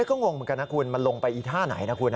ก็งงเหมือนกันนะคุณมันลงไปอีท่าไหนนะคุณ